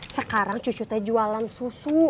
sekarang cucunya jualan susu